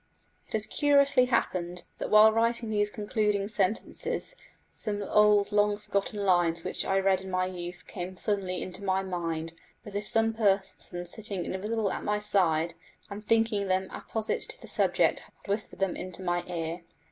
It has curiously happened that while writing these concluding sentences some old long forgotten lines which I read in my youth came suddenly into my mind, as if some person sitting invisible at my side and thinking them apposite to the subject had whispered them into my ear.